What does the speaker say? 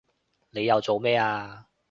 你又做咩啊